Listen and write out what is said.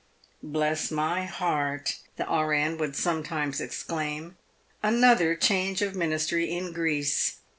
" Bless my heart," the E.N. would sometimes exclaim, " another change of ministry in Greece.